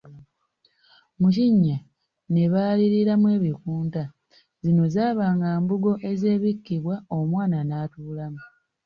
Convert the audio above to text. Mu kinnya ne baaliriramu ebikunta, zino zaabanga mbugo ezeebikkibwa, omwana n’atuulamu.